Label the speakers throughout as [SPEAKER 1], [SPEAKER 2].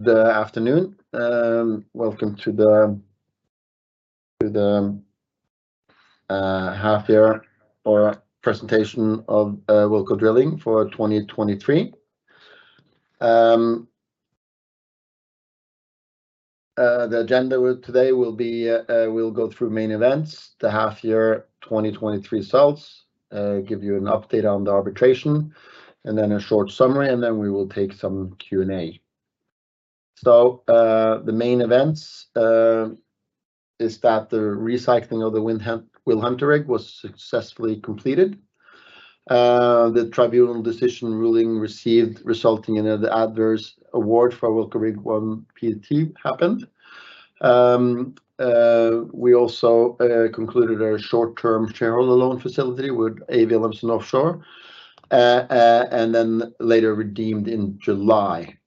[SPEAKER 1] Good afternoon. Welcome to the half-year presentation of Awilco Drilling for 2023. The agenda today will be we'll go through main events, the half-year 2023 results, give you an update on the arbitration, and then a short summary, and then we will take some Q&A. The main events is that the recycling of the WilHunter rig was successfully completed. The tribunal decision ruling received, resulting in the adverse award for Awilco Rig 1 Pte. happened. We also concluded a short-term shareholder loan facility with Awilhelmsen Offshore, and then later redeemed in July.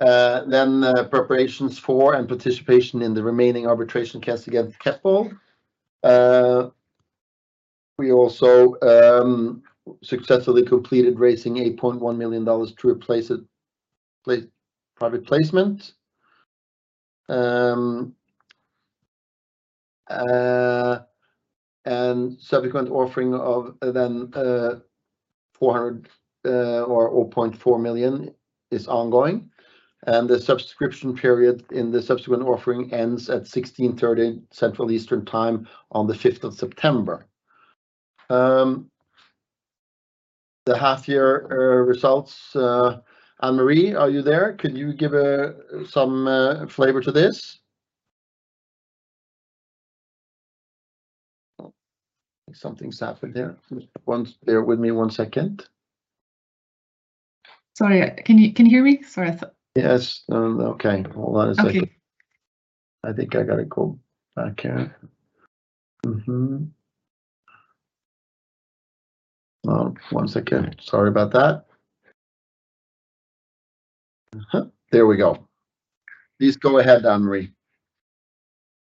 [SPEAKER 1] Then preparations for and participation in the remaining arbitration case against Keppel. We also successfully completed raising $8.1 million to replace it, private placement. and subsequent offering of then 400 or 0.4 million is ongoing, and the subscription period in the subsequent offering ends at 4:30 P.M. Central Eastern Time on the 5th September. The half year results, Anne Marie, are you there? Can you give some flavor to this? I think something's happened there. One, bear with me one second.
[SPEAKER 2] Sorry, can you, can you hear me? Sorry, I thought-
[SPEAKER 1] Yes. Okay, hold on a second.
[SPEAKER 2] Okay.
[SPEAKER 1] I think I got it. Go back here. One second. Sorry about that, there we go. Please go ahead, Anne Marie.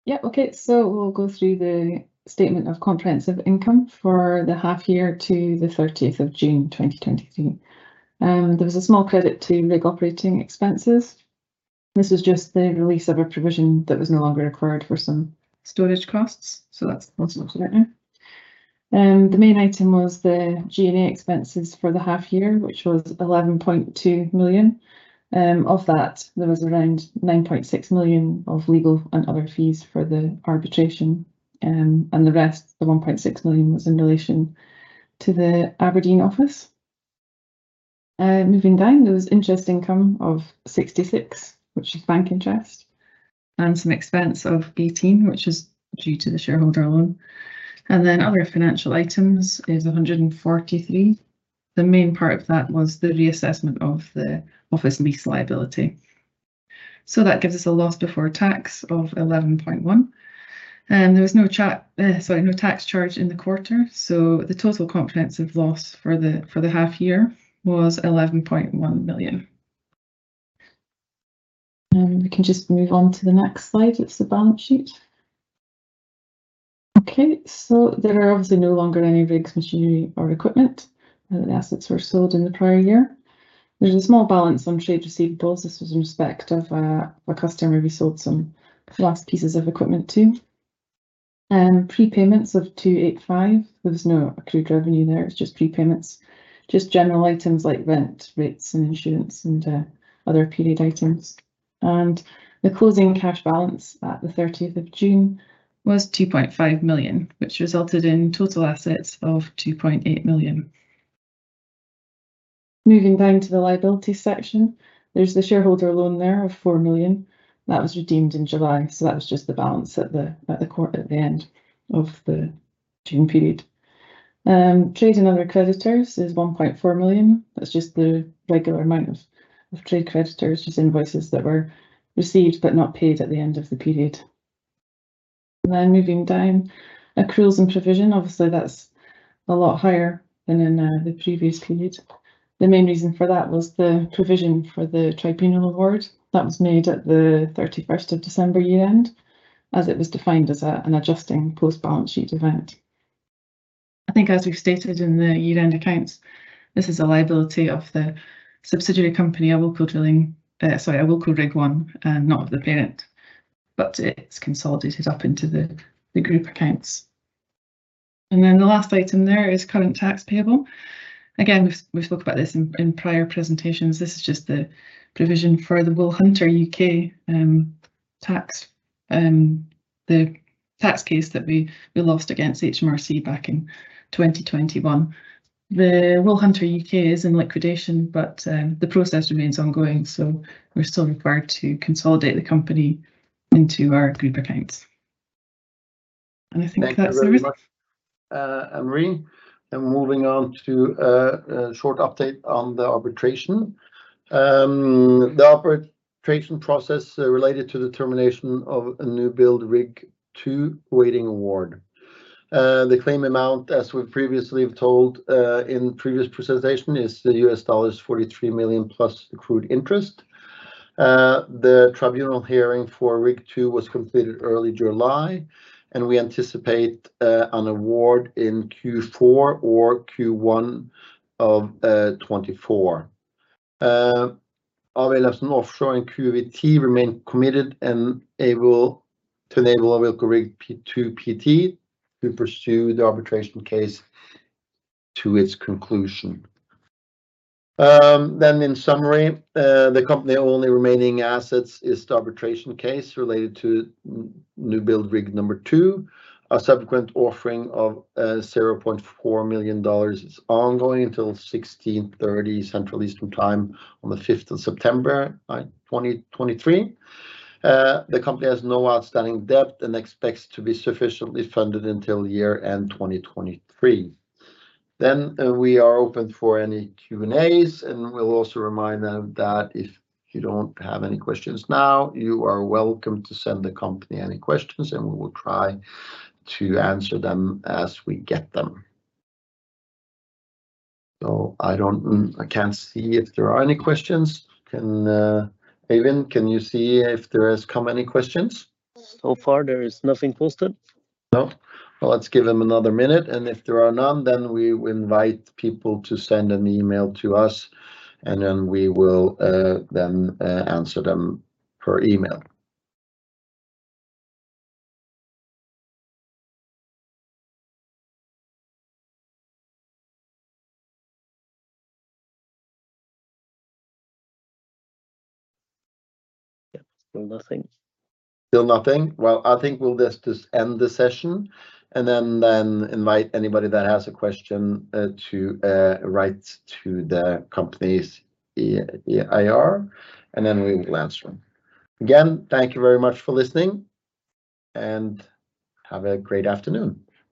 [SPEAKER 2] Yeah, okay, so we'll go through the statement of comprehensive income for the half year to the 30th of June, 2023. There was a small credit to rig operating expenses. This is just the release of a provision that was no longer required for some storage costs, so that's, that's about it. The main item was the G&A expenses for the half year, which was $11.2 million. Of that, there was around $9.6 million of legal and other fees for the arbitration. And the rest, the $1.6 million, was in relation to the Aberdeen office. Moving down, there was interest income of $66, which is bank interest, and some expense of $18, which is due to the shareholder loan. And then other financial items is $143. The main part of that was the reassessment of the office lease liability. So that gives us a loss before tax of $11.1 million, and there was no tax charge in the quarter, so the total comprehensive loss for the half year was $11.1 million. We can just move on to the next slide. It's the balance sheet. Okay, so there are obviously no longer any rigs, machinery, or equipment. The assets were sold in the prior year. There's a small balance on trade receivables. This was in respect of a customer we sold some last pieces of equipment to. Prepayments of $285. There's no accrued revenue there. It's just prepayments, just general items like rent, rates, and insurance, and other period items. The closing cash balance at the thirtieth of June was $2.5 million, which resulted in total assets of $2.8 million. Moving down to the liability section, there's the shareholder loan there of $4 million. That was redeemed in July, so that was just the balance at the, at the quarter, at the end of the June period. Trade and other creditors is $1.4 million. That's just the regular amount of trade creditors, just invoices that were received but not paid at the end of the period. Moving down, accruals and provision, obviously, that's a lot higher than in the previous period. The main reason for that was the provision for the tribunal award that was made at the 31st December year end, as it was defined as an adjusting post-balance sheet event. I think as we've stated in the year-end accounts, this is a liability of the subsidiary company, Awilco Drilling, sorry, Awilco Rig one, not the parent, but it's consolidated up into the, the group accounts. And then the last item there is current tax payable. Again, we've spoke about this in, in prior presentations. This is just the provision for the WilHunter UK tax, the tax case that we, we lost against HMRC back in 2021. The WilHunter UK is in liquidation, but, the process remains ongoing, so we're still required to consolidate the company into our group accounts. And I think that's it.
[SPEAKER 1] Thank you very much, Anne Marie. And moving on to a short update on the arbitration. The arbitration process related to the termination of a newbuild Rig two awaiting award. The claim amount, as we previously have told in previous presentation, is $43 million plus accrued interest. The tribunal hearing for Rig two was completed early July, and we anticipate an award in Q4 or Q1 of 2024. AW Offshore and QVT remain committed and able to enable AW Rig 2 Pte to pursue the arbitration case to its conclusion. Then in summary, the company only remaining assets is the arbitration case related to newbuild rig number two. A subsequent offering of $0.4 million is ongoing until 4:30 P.M. Central Eastern Time on the 5th September 2023. The company has no outstanding debt and expects to be sufficiently funded until year-end 2023. Then, we are open for any Q&As, and we'll also remind them that if you don't have any questions now, you are welcome to send the company any questions, and we will try to answer them as we get them. So I can't see if there are any questions. Can, Eivind, can you see if there has come any questions?
[SPEAKER 3] So far, there is nothing posted.
[SPEAKER 1] No? Well, let's give them another minute, and if there are none, then we will invite people to send an email to us, and then we will answer them per email. Yeah, still nothing. Still nothing? Well, I think we'll just end the session, and then invite anybody that has a question to write to the company's IR, and then we will answer them. Again, thank you very much for listening, and have a great afternoon.